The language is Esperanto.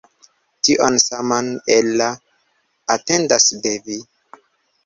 Tion saman Ella atendas de vi!